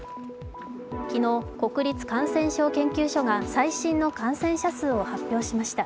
昨日、国立感染症研究所が最新の感染者数を発表しました。